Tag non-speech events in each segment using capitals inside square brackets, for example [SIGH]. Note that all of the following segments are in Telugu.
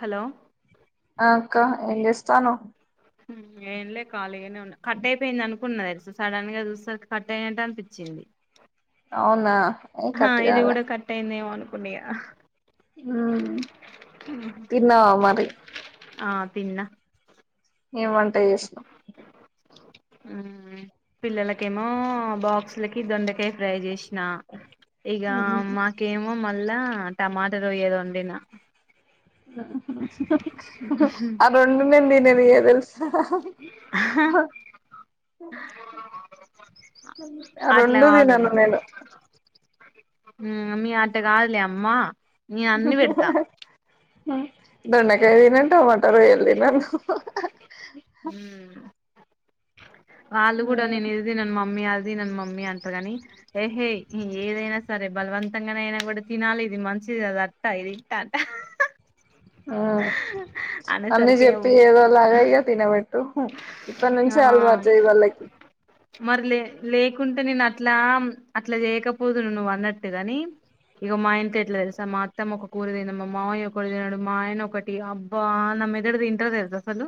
హలో ఆ అక్క ఏం చేస్తున్నావ్ ఏన్లే కాలి కట్ అయిపోయింది అను న్నది స సడన్ గ చూస్తే కట్ అయినట్టు అనిపించింది అవునా ఏ హా కట్ ఇది కాలే కూడా కట్ అయిందేమో అను కున్యా మ్మ్ తిన్నవా మరి. ఆ తిన్నా ఏం వంట చేసినావ్ ఉమ్మ్ పిల్లలకేమో ఆ బాక్స్ లోకి దొండ కాయ్ ఫ్రై జేసి నా ఇగ మ్ మాకేమో మళ్ళ టమాటర్ రొయ్యలొండిన ఆ రెండు నేను తిననియే తెలుసా, ఆ రెండు తినను నేను. మ్మ్ మీ అట్ట కాదులే అమ్మా నే అన్నీ వెడుతా దొండకాయ దినంటవ్ వంట రొయ్యల్ తిన ఉమ్ వాళ్ళ కూడా నేను ఇది తినన్ మమ్మీ అ దినన్ మమ్మీ అంటారుగాని ఏహే మ్ ఏదైనా సరే బలవంతంగానైనా కూడా తినాలి, ఇది మంచిది అది అట్ట ఇది ఇట్ట అంట. అవు అన్నీ చెప్పి అనేసరికేమో ఏదోలాగయిగ తినబెట్ ఉహు ఇప్పటి నుంచి ఆ అలవాటు జేయి వాళ్ళకి మరి లే లేకుంటే నేను అట్లా అట్లా చేయకపోదును నువ్వు అన్నట్టుగాని ఇగ మా ఆయనతో ఎట్లా తెలుసా మా అత్తమ్మ ఒక కూర తినా, మామయ్య ఒకటి తినడు, మా ఆయన ఒకటి అబ్బా నా మెదడు దింటార్ తెలుసా అసలు.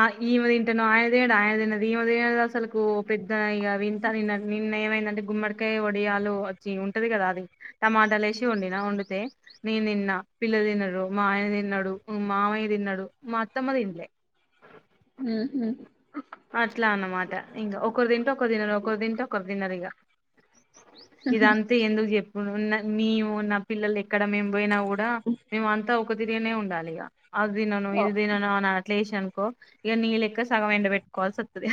ఆ ఈమె తిన్ [UNINTELLIGIBLE] అసలుకు పెద్ద ఇగవింతా నిన్న నిన్నఏవైనా అంటే గుమ్మడికాయ వడియాలు వచ్చి ఉంటది కదా అది టమాటాలు వేసి వండినా వండితే నేను తిన్నా పిల్లలు తిన్నరు, మా ఆయన తిన్నాడు, మా మామయ్య తిన్నాడు మా అత్తమ్మ తిం లే మ్మ్ హ్మ్ అట్లా అన్నమాట ఇంక ఒకరు దింటే ఒక దినరు ఒక దింటే ఒకరు దినరిగా ఇదంతా ఎందుకు చెప్ [UNINTELLIGIBLE] నీవు నా పిల్లలే ఇక్కడ మేము పోయినా కూడా మేము అంతా ఒ కొద్దిగ తినే ఉండాలిగ అద్ దినను ఇది దినను అనట్లేషన్ కో ఇగ నీ లెక్క సగం ఎండ పెట్ కాలి సత్తది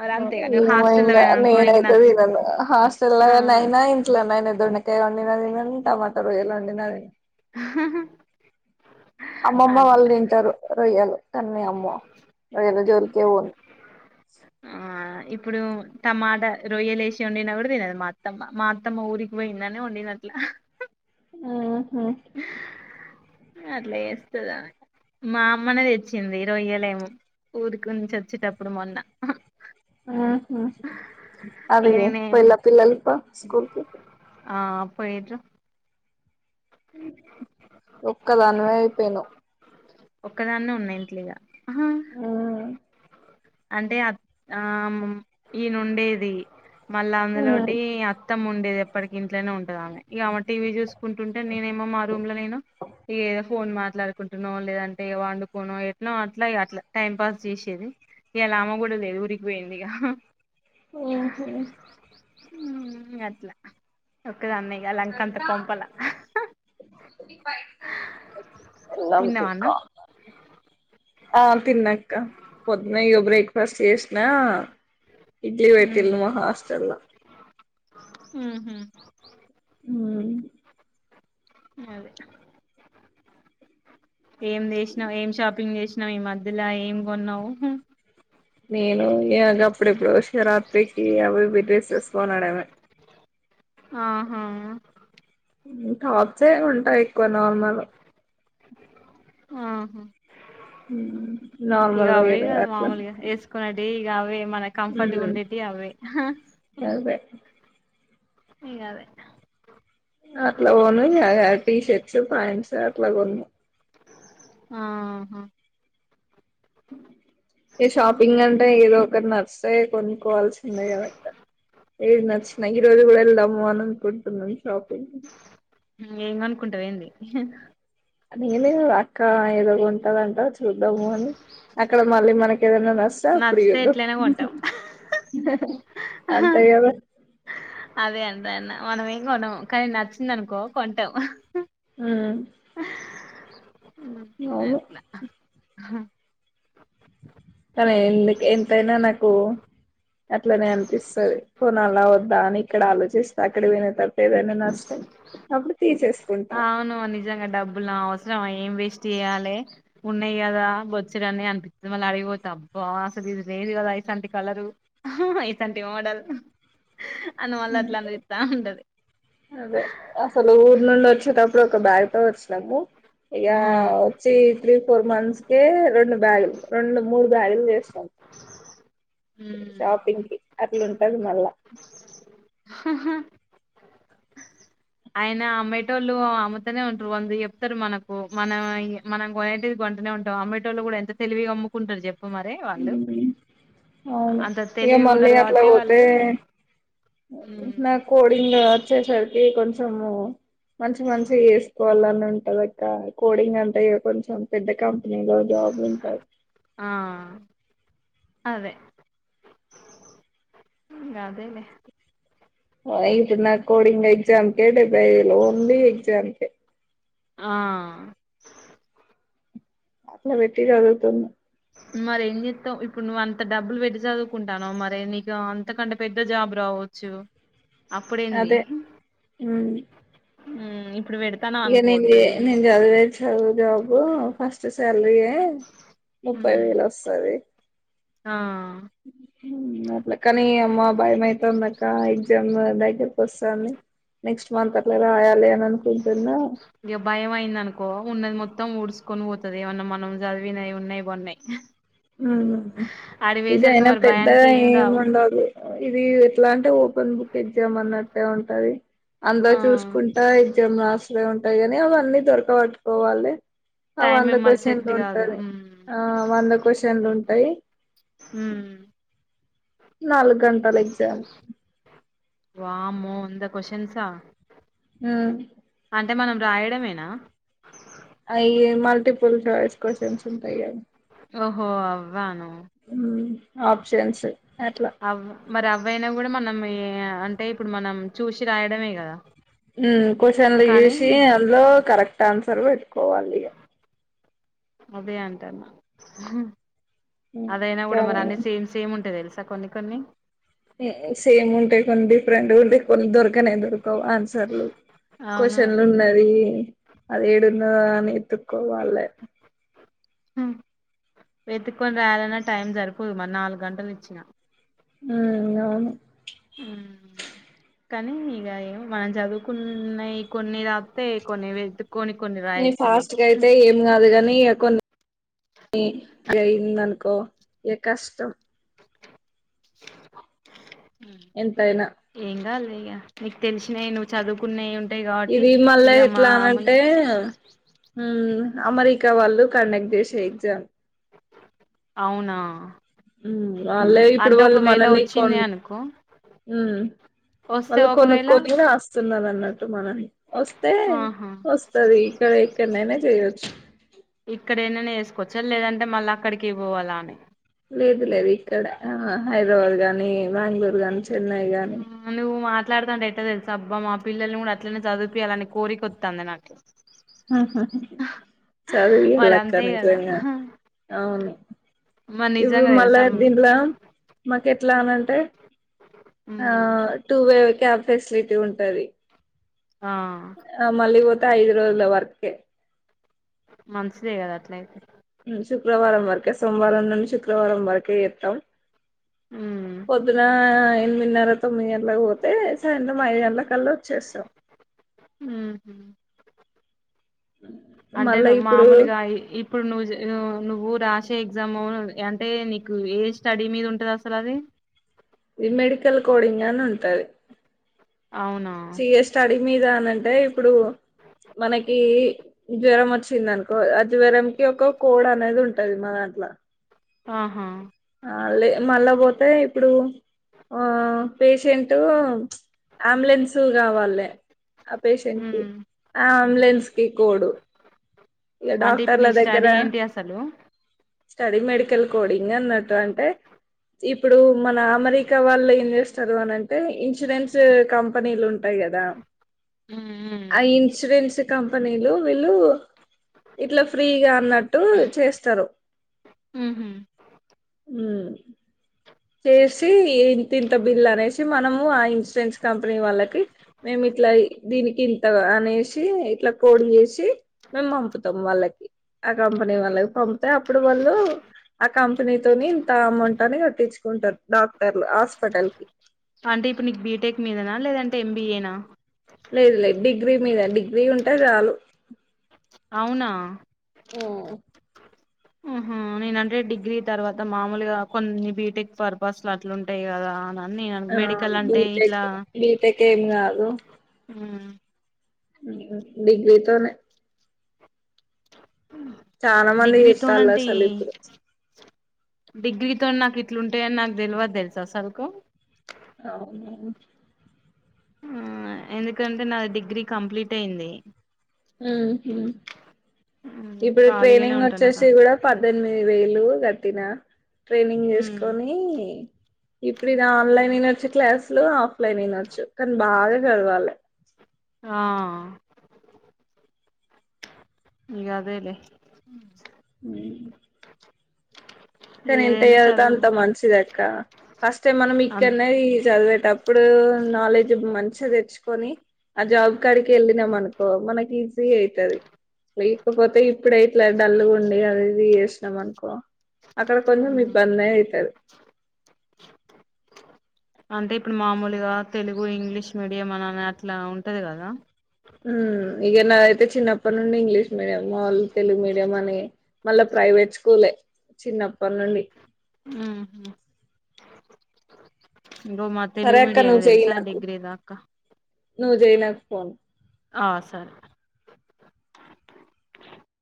మరి అంతేగా నువ్వు హాస్టల్లో ఏమైనా పోయినా అనుకో నీకు నేనైతే నచ్చ తినను హాస్టల్ లో ఆ అయినా ఇంట్లోనైనా దొండకాయ దినను టమాట లు తినను రెండు హు హు అమ్మమ్మ వాళ్ళు తింటరు రొయ్యలు అన్నే అమ్మో రొయ్యల జోలికే పోను ఆ ఇప్పుడు టమాటా రొయ్యలేసి వండిన కూడా తినదు మా అత్తమ్మ మా అత్తమ్మ ఊరికి పోయిందనే వండినట్లా హుమ్ హుమ్ అట్లా చెప్తది ఆమె మా అమ్మనే తెచ్చింది రొయ్యలు ఏమో ఊరికి నుంచి వచ్చేటప్పుడు మొన్న అవి ఇగ నేనే పోయిల పిల్లల్కో స్కూల్కి ఆ పోయిచు ఒక్కదానివే అయిపోయినావ్ ఒక్కదాన్నే ఉన్నా ఇంట్ల ఇగ హుమ్ అంటే అ ఆ ఈయనుండేది మళ్ళా అందులోటి అత్తం ఉండేది ఇప్పటికి ఇంట్లోనే ఉ ఇ ఆమె టీవీ చూసుకుంటుంటే నేనేమో మా రూమ్ లో నేను ఈ ఫోన్ మాట్లాడుకుంటునో లేదంటే పండుకునో ఎట్నో అట్లా అట్లా టైం పాస్ చేసేది ఇయాల ఆమె కూడా లేదు ఊరికి పోయింది హ హా హుమ్ హు ఉమ్ గట్ల తిన్నావా లంకిక అన్నం ఆ తిన్నాక్క పొద్దున్న ఇగో బ్రేక్ఫాస్ట్ చేసినా ఇడ్లీ పెట్టిన్లు మా హాస్టల్ ల హుమ్ హు హుమ్ అదే ఏం చేసినావ్ ఏం షాపింగ్ చేసినావు ఈ మధ్యల ఏం కొన్నావు నేను ఇగ గప్పుడెప్పుడో శివరాత్రికి అవి ఇవి డ్రేసేస్ కొనడమే ఆహా టాప్సే ఉంటాయ్ ఎక్కువ నార్మల్ ఆ ఇగ నార్మల్ అవే వేర్ గా అట్లా మామూలుగా వేసుకునేది ఇగ అవే మన కంఫర్ట్గా ఉండేది అవే హ్ అదే ఇగ అవే అట్లా పోను టీషర్ట్స్ పాంట్స్ గట్ల కొన్ను ఆహ ఏ షాపింగ్ అంటే ఏదో ఒకటి నచ్చితే కొనుక్కోవాల్సిందే కదక్క ఏది నచ్చినా ఈ రోజు గుడ యెల్దాం పోవాలనుకుంటున్నా షాపింగ్ ఏం కొనుక్కుంటావు ఏంది అంటే ఏమి లేదు అక్క ఏదో కొంట దంట చూద్దాము అని అక్కడ మళ్ళీ మనకి ఏదన్నా నొస్తే అప్పుడు నచ్చితే చేదు ఎట్లయినా కొంటాం అంతే కదా అదన్న మనం ఏం కొనము కానీ నచ్చింది అనుకో కొంటాం హమ్ అట్లా [UNINTELLIGIBLE] కానీ ఎందుకు ఎంతైనా నాకు అట్లనే అని పిస్తది కొనాలా వద్దా అని ఇక్కడ ఆలోచిస్తా అక్కడ పోయిన తర్వాత ఏదైనా నచ్చితే అప్పుడు తీసేసుకుంటా అవును నిజంగా డబ్బులు అవసరం అయి ఏం వేస్ట్ చేయాలి ఉన్నాయి కదా బోచ్చెడన్ని అని పిస్తది మళ్ళీ ఆడికిపోతే అబ్బా అసలు ఇది లేదు కదా ఇట్లాంటి కలరు ఇట్లాంటి మోడల్ అన్న మళ్ళ ఉమ్ అట్ల అని పిస్తా ఉంటది అదే అసలు ఊరు నుండి వచ్చేటప్పుడు ఒక బ్యాగ్ తో వచ్చిన్నాము ఇక ఉమ్ వచ్చి త్రీ ఫోర్ మంత్స్ కి రెండు బ్యాగు్లు రెండు మూడు బ్యాగులు చేస్తాం షాపింగ్ కి అట్లా ఉంటాది మళ్ళా ఆయనా అమ్మేటోళ్ళు అమ్ముతునే ఉంటారు వంద చెప్తారు మనకు మన మనం కొనేది కొంటునే ఉంటాం అమ్మేటోళ్ళు కూడా ఎంత తెలివిగా అమ్ముకుంటారు చెప్పు తప్పు మరే వాళ్ళు అవును అంత ఇక తెలివి ఉన్నారు కాబట్టే వాళ్ళు ఉమ్. నాక్ కోడింగ్ వచ్చేసారికి కోడి కొంచెము మంచి మంచిగా చేసుకోవాలని ఉంటాది అక్క కోడింగ్ అంటే ఇక కొంచెం పెద్ద క ఆ అదే అదేలే ఇప్పుడు నా కోడింగ్ ఎగ్జామ్ కే డెబ్బై లో ఉండి ఎగ్జామ్ కే ఆ అల్టా బెట్టి చదువుతున్నా మరి ఏం చెస్తావ్ ఇప్పుడు నువ్వు అంత డబ్బులు పెట్టి చదువుకుంటాన్నావ్ మరి నీకు అంతకంటే పెద్ద జాబ్ రావొచ్చు అదే ఉమ్ ఉమ్ ఇక నేను నేను చదివే చదువు జాబ్ ఫస్ట్ శా ఇలాగే ముప్పై మ్మ్ వేలు వస్తది ఆ అట్లా కాని అమ్మ భయం అయితాంది అక్క ఎగ్జామ్ దగ్గరకు వస్తంది నెస్ట్ మంతర్ల రాయాలి అని అనుకుంటున్నా ఇక భయం అయింది అనుకో ఉన్నది మొత్తం మొత్తం ఊడ్సుకొని పోతది ఏమన్నా మనం చదివిన్నాయి ఉన్నాయి బొన్నాయి ఉమ్ ఇది అయినా మరి పెద్దగా భయానికి ఏం రావు ఏమిండదు ఇది ఎట్లా అంటే ఓపెన్ బుక్ ఎగ్జామ్ అన్నట్టు అట్టే ఉంటాది అంద ఆ చూసుకుంటా ఎగ్జామ్స్ రాసలే ఉంట అవిగాని అవి అన్నీ దొరకబట్టుకోవాలి ఆ టైం వంద మళ్ళీ క్వషన్స్ సెట్ కాదు ఉంటంది ఆ వంద క్వషన్లు ఉంటాయి మ్మ్ నాలుగు గంటలు ఎగ్జామ్ వామ్మో అంత క్వస్షన్స్ ఆ ఆ అంటే మనం రాయడమేనా అయ్ మల్టీ ఫుల్సుకో సెమ్స తయారు ఓహో అవ్వ ఆను ఆప్షన్స్ అట్లా అవు మరి అవయినా కూడా మనం అంటే ఇప్పుడు మనం చూసి రాయడమే కదా ఉమ్ క్వషన్లు కానీ చేసి అందులో కరెక్ట్ ఆన్సర్ పెట్టుకోవాలి ఇ అదే అంట అదయినా కూడా మరి అన్నీ కానీ సేమ్ సేమ్ ఉంటా తెలుసు కొన్ని కొన్ని సేమ్ ఉంటాయి కొన్ని డిఫరెంట్ ఉంటే కొన్ని దొరకన దొరక ఆన్సర్లు అవును క్వశ్చన్లు అదే ఉన్నది అదేడున్నది అని వెతుక్కోవాలే వెతుక్కొని రాయాలన్నా టైం సరిపోదు మరి నాలుగు గంటలు ఇచ్చిన ఉమ్ అవును ఉమ్ కానీ ఇక ఏమో మనం చదువుకున్నయి కొన్ని రాస్తే కొన్ని వెళ్ కొన్ని ఫాస్ట్ అయితే ఏం కాదు గాని న కొన్నీ అ ఇంద అనుకో ఏ కష్టం ఎంత అయిన ఏం నీకు తెలిసినాయి నువ్వు చదువుకున్నాయి ఇది మళ్ళా ఎట్లా అనంటే హ అమెరికా వాళ్ళు కండక్ట్ చేసే ఎగ్జామ్ అవునా వాళ్ళే ఇప్పుడు అంటే వాళ్ళు ఒకవేళ మనల్ని కొ వచ్చింది అనుకో హు వస్తే వాళ్ళు ఒకవేళ కొనుక్కొని రాస్తున్నారు, లేపోతే మానేయ్, వస్తే ఆహా వస్తది ఇక్కడ ఇక్కనైన చేయొచ్చు అంటే మళ్ళ అక్కడికి పోవాల అని లేదు లేదు ఇక్కడ హైదరాబాద్ గానీ బెంగుళూర్ గాని చెన్నై గాని నువు మాట్లాడతాంటె ఎట్టా తెలుసు అబ్బా మా పిల్లల్ని కూడా అట్లనే చదివిపియాలని కోరిక వత్తంది నాకు ఆహా చదివియ్యాలే మరి అక్క అంతే కదా నిజంగా అవును మరి ఇప్పుడు నిజంగా మళ్ళ తెలుసా దీంట్ల మాకు ఎట్లా అని అంటే ఆ మ్మ్ టూ వే క్యాబ్ ఫెసిలిటీ ఉంటది ఆ ఆ మళ్ళీ పోతే ఐదు రోజు ల వర్క్ కె మంచిదే కదా అట్లయితే శుక్రవారం వరకే సోమవారం నుండి శుక్రవారం వరకే చేత్తం మ్మ్ పొద్దున ఎనిమిదిన్నర తొమ్మిదిగంట్ల పోతే సాయంత్రం ఐదు గంటల కల్ల వచ్చేస్తాం ఉహు అంటే మళ్ళా ను ఇప్పుడు మాములుగా ఇప్పుడు నువు నువు నువ్వు రాసిన ఎగ్జామ్ అంటే నీకు ఏ స్టడీ మీద ఉంటది అసలు అది ఈ మెడికల్ కోడింగ్ అని ఉంటది అవునా సిఎ స్టడీ మీద అనంటే ఇప్పుడు మనకి జ్వరం వచ్చింది అనుకో ఆ జ్వరంకి ఒక కోడ్ అనేది ఉంటది మా దాం అట్లా ఆహా ఆ లే మళ్ళపోతే ఇప్పుడు ఆ పేషెంట్ అంబులెన్సు కావాలే ఆ పేషెంట్ కి మ్మ్ ఆ అంబులెన్స్ కి కోడ్ అంటే ఇప్పుడు నీ స్టడీ ఏంటి అసలు స్టడీ మెడికల్ కోడింగ్ అన్నట్టు అంటే ఇప్పుడు మన అమెరికా వాళ్ళు ఏం చేస్తారు అనంటే ఇన్సూరెన్స్ కంపెనీలు ఉంటాయి కదా, ఆ ఇన్సూరెన్స్ కంపెనీలు వీళ్ళు ఇట్ల ఫ్రీగా అన్నట్టు చేస్తరు ఉహు చేసి ఇంత ఇంత బిల్ అనేసి మనము ఆ ఇన్సూరెన్స్ కంపెనీ వాళ్ళకి మేము ఇట్లా దీనికి ఇంత అనేసి ఇట్లా కోడ్ చేసి మేము పంపుతాం వాళ్ళకి ఆ కంపెనీ వాళ్ళకి పంపితే అప్పుడు వాళ్ళు ఆ కంపెనీతోని ఇంత అమౌంట్ అని కట్టించు కుంటరు డాక్ అంటే ఇప్పుడు నీకు బీటెక్ మీదన లేదంటే ఎం బి ఏ నా లేదు లేదు డిగ్రీ మీద డిగ్రీ ఉంటే చాలు అవున ఓ ఆహ నేనంటే డిగ్రీ తర్వాత మామూలుగా కొన్ని బీటెక్ పర్పస్ ల అట్లుంటయి కదా అ ఆ బీటెక్ బిటెక్ ఏమి కాదు మ్మ్. డిగ్రీతోనే చాలా మంది డిగ్రీతోనంటే ఇస్తలసలు ఈ- ఇప్పుడు డిగ్రీతో నాకు ఇట్లుంటాయని నాకు తెలివదు తెలుసు అసలుకు అవు ఆ ఎందుకంటే నా డిగ్రీ కంప్లీట్ అయింది మ్మ్. ఇప్పుడు ఖాళీగానే ట్రైనింగ్ ఉంటానక వచ్చేసి కూడా పద్ధతి వేలు గత్తిన ట్రైనింగ్ చేసుకొని ఇప్పుడు ఇది ఆన్లైన్ అయిన చ్చ క్లాస్ లో లలేనినాచ్చ కనీ బాగా వాలి ఆ ఇకా అదేలే అ కానీ ఏదైనా ఎంత్యళ్తే చదువు అంత మంచిది అక్క ఫస్ట్ టైమ్ మనం అం ఇక్కడనే చదివేటప్పుడు ఇప్పుడు నాలెడ్జ్ మంచి తెచ్చుకొని ఆ జాబ్ కారకి వెళ్ళ నామ్మనుకు మనకి ఈజీ అవుతుది లేకపోతే ఇప్పుడయిట్లే డల్లుగుండి అది ఇది చేసినం అనుకో అక్కడ కొంచెం ఉమ్ ఇబ్బంది అవుతారు అంటే ఇప్పుడు మామూలుగా తెలుగు ఇంగ్లీష్ మీడియం అన అట్లా ఉంటది కదా ఇక నా అయితే చిన్నప్పటి నుండి ఇంగ్లీష్ మీడియంళ తెలుగు మీడియం అని మళ్ళా ప్రైవేట్ స్కూలే చిన్నప్పటి నుండి ఆ గోమ్మా సరే తెలుగు అక్క మీడియమే తెలుసా డిగ్రీ దాకా ను జయ నాకు ఫోన్ ఆ సరే